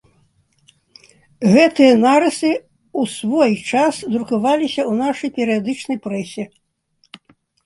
Гэтыя нарысы ў свой час друкаваліся ў нашай перыядычнай прэсе.